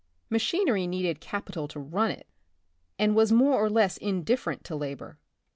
Machinery needed capital to run it, and was more or less indifferent to labor.